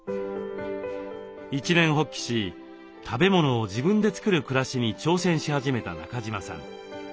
一念発起し食べ物を自分で作る暮らしに挑戦し始めた中島さん。